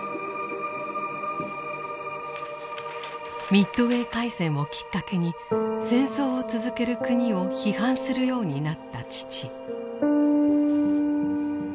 ミッドウェー海戦をきっかけに戦争を続ける国を批判するようになった父。